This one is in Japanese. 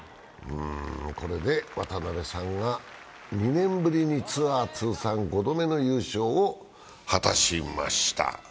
これで渡邉さんが２年ぶりにツアー通算５度目の優勝を果たしました。